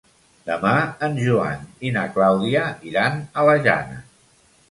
Demà en Joan i na Clàudia iran a la Jana.